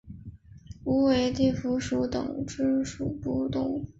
无尾蹄蝠属等之数种哺乳动物。